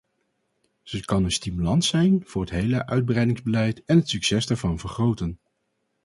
Ze kan een stimulans zijn voor het hele uitbreidingsbeleid en het succes daarvan vergroten.